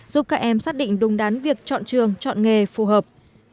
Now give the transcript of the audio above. giúp các em xác định đúng đán việc chọn trường chọn nghề phù hợp